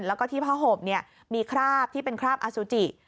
แล้วก็ที่ผ้าห่มมีคราบที่เป็นคราบอสุจิ